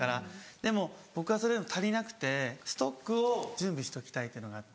でも僕はそれでも足りなくてストックを準備しておきたいっていうのがあって。